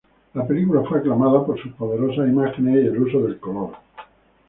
La película fue aclamada por sus poderosas imágenes y el uso del color.